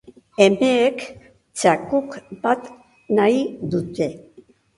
Umeek txakur bat nahi dute.